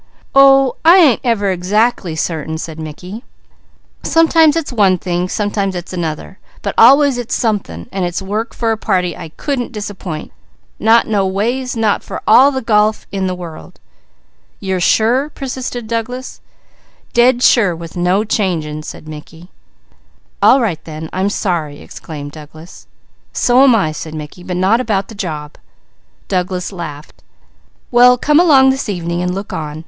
"Oh I ain't ever exactly certain," said Mickey. "Sometimes it is one thing, sometimes it is another, but always it's something, and it's work for a party I couldn't disappoint, not noways, not for all the golf in the world." "You are sure?" persisted Douglas. "Dead sure with no changing," said Mickey. "All right then. I'm sorry!" exclaimed Douglas. "So am I," said Mickey. "But not about the job!" Douglas laughed. "Well come along this evening and look on.